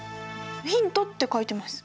「ヒント」って書いてます。